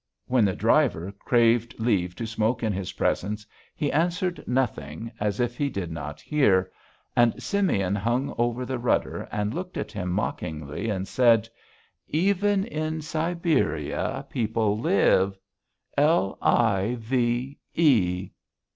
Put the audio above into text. When the driver craved leave to smoke in his presence, he answered nothing, as if he did not hear. And Simeon hung over the rudder and looked at him mockingly and said: "Even in Siberia people live. L i v e!"